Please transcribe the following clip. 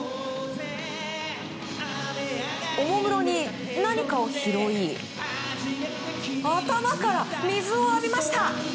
おもむろに何かを拾い頭から水を浴びました！